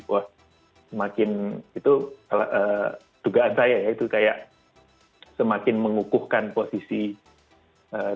wah semakin itu dugaan saya ya itu kayak semakin mengukuhkan posisi keluarga kerajaan inggris atau orang orang lain